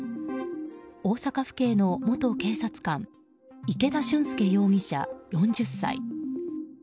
大阪府警の元警察官池田俊輔容疑者、４０歳。